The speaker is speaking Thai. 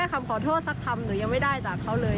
คำขอโทษสักคำหนูยังไม่ได้จากเขาเลย